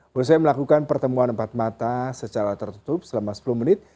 berusaha melakukan pertemuan empat mata secara tertutup selama sepuluh menit